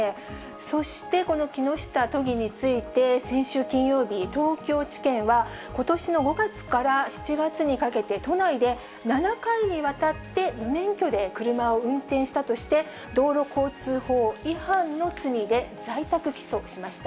そしてこの木下都議について、先週金曜日、東京地検は、ことしの５月から７月にかけて、都内で７回にわたって無免許で車を運転したとして、道路交通法違反の罪で在宅起訴しました。